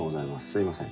すいません。